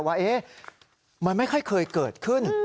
ว่ามันไม่ค่อยเคยเกิดขึ้น